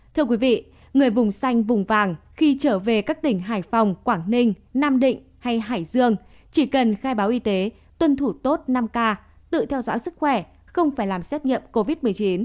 thưa quý vị người vùng xanh vùng vàng khi trở về các tỉnh hải phòng quảng ninh nam định hay hải dương chỉ cần khai báo y tế tuân thủ tốt năm k tự theo dõi sức khỏe không phải làm xét nghiệm covid một mươi chín